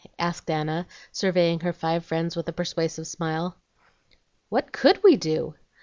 asked Anna, surveying her five friends with a persuasive smile. "What COULD we do?"